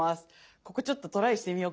ここちょっとトライしてみよっか。